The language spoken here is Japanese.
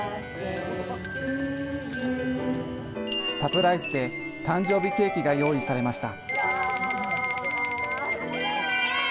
サプライズで、誕生日ケーキが用意されました。